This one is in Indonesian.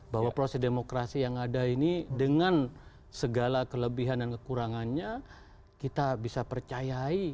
bahwa proses demokrasi yang ada ini dengan segala kelebihan dan kekurangannya kita bisa percayai